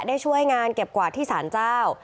ช่วยงานเก็บกวาดที่สารเจ้า